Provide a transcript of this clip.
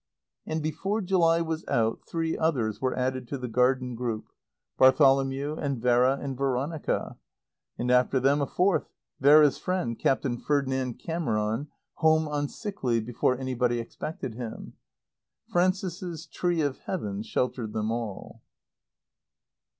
And before July was out three others were added to the garden group: Bartholomew and Vera and Veronica. And after them a fourth, Vera's friend, Captain Ferdinand Cameron, home on sick leave before anybody expected him. Frances's tree of Heaven sheltered them all.